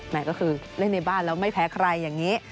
ก็คือเล่นในบ้านแล้วไม่แพ้ใครอย่างนี้